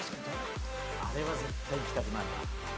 あれは絶対いきたくないな。